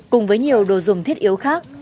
cùng với nhiều đồ dùng thiết yếu khác